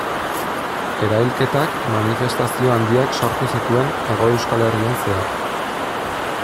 Erailketak manifestazio handiak sortu zituen Hego Euskal Herrian zehar.